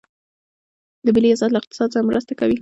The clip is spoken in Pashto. د ملي احساس له اقتصاد سره مرسته کوي؟